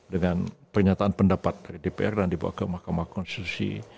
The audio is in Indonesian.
dengan pernyataan pendapat dari dpr dan dibawa ke mahkamah konstitusi